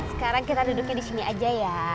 sekarang kita duduknya disini aja ya